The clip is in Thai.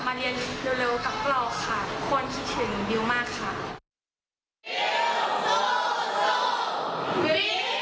บิวสู้สู้บิวสู้สู้บิวสู้สู้บิว